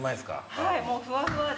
はいもうふわふわで。